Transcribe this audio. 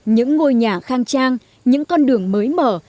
những ngôi nhà khang trang những con đường mới mở